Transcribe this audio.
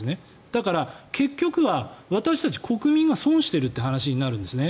だから、結局は私たち国民が損をしている話になるんですね。